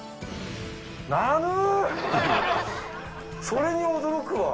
それに驚くわ！